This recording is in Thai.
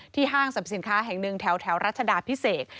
ห้างสรรพสินค้าแห่งหนึ่งแถวรัชดาพิเศษ